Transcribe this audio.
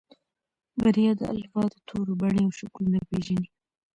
بريا د الفبا د تورو بڼې او شکلونه پېژني.